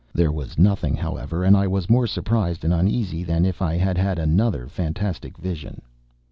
There was nothing, however, and I was more surprised and uneasy than if I had had another fantastic vision.